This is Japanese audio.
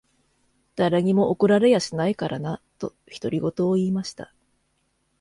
誰にも怒られやしないからな。」と、独り言を言いました。